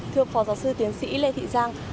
thưa phó giáo sư tiến sĩ lê thị giang